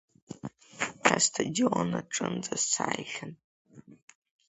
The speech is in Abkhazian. Ҳастадион аҿынӡа сааихьан.